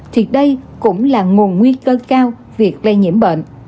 thì đây cũng là nguồn nguy cơ cao việc lây nhiễm bệnh